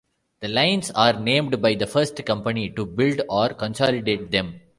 The lines are named by the first company to build or consolidate them.